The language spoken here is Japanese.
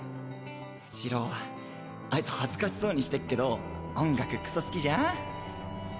耳郎あいつ恥ずかしそうにしてっけど音楽クソ好きじゃん！